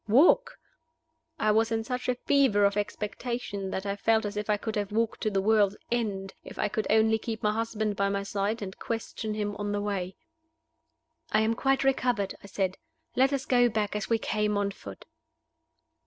Walk? I was in such a fever of expectation that I felt as if I could have walked to the world's end, if I could only keep my husband by my side, and question him on the way. "I am quite recovered," I said. "Let us go back, as we came, on foot."